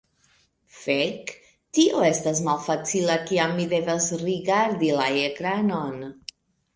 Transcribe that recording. Fek, tio estas malfacila kiam mi devas rigardi la ekranon.